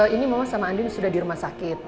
ini mama sama andin sudah di rumah sakit